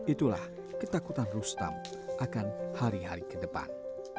itulah ketakutan rustam akan hari hari ke depan